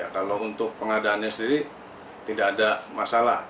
kalau untuk pengadaannya sendiri tidak ada masalah